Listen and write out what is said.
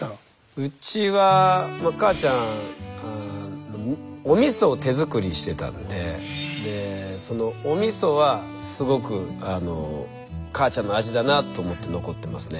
うちは母ちゃんおみそを手作りしてたのででそのおみそはすごく母ちゃんの味だなと思って残ってますね。